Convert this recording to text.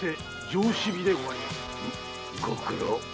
ご苦労。